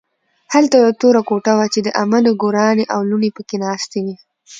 هلته یوه توره کوټه وه چې د عمه نګورانې او لوڼې پکې ناستې وې